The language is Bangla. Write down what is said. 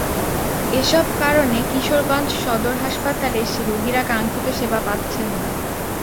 এসব কারণে কিশোরগঞ্জ সদর হাসপাতালে এসে রোগীরা কাঙ্ক্ষিত সেবা পাচ্ছেন না।